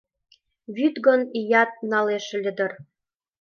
Вӱд гын, ият налеш ыле дыр.